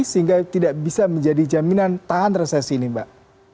sehingga tidak bisa menjadi jaminan tahan resesi ini mbak